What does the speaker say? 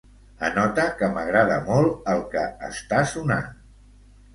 Anota que m'agrada molt el que està sonant.